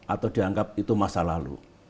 atau dianggap itu masa lalu